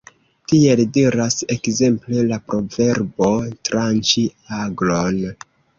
Tiel diras ekzemple la proverbo 'tranĉi aglon'.